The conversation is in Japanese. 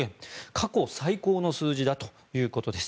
過去最高の数字だということです。